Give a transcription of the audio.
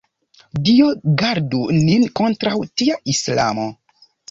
Dio gardu nin kontraŭ tia islamo!